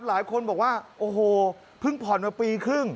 หลายคนบอกว่าโอ้โหเพิ่งผ่อนมาปีครึ่ง